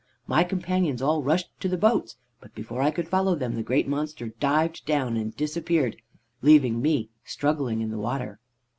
My companions all rushed to the boats, but before I could follow them the great monster dived down and disappeared, leaving me struggling in the water.